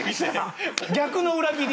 逆の裏切り。